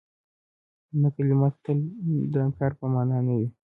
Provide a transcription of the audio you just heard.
نه کلمه تل د انکار په مانا نه وي.